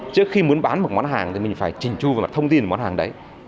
trước khi muốn bán một món hàng thì mình phải chỉnh chu vào mặt thông tin của món hàng đấy